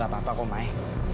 gak apa apa kok main